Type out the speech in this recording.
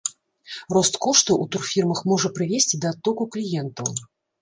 Рост коштаў у турфірмах можа прывесці да адтоку кліентаў.